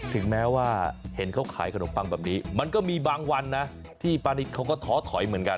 ถึงแม้ว่าเห็นเขาขายขนมปังแบบนี้มันก็มีบางวันนะที่ป้านิตเขาก็ท้อถอยเหมือนกัน